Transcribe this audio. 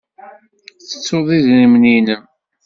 Tettud idrimen-nnem?